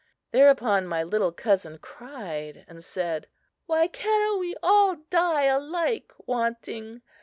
Thereupon my little cousin cried, and said: "Why cannot we all die alike wanting?